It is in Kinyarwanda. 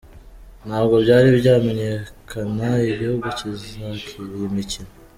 Ntabwo byari byamenyekana igihugu kizakira iyi mikino.